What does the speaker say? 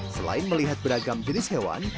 selain melihat beragam jenis hewan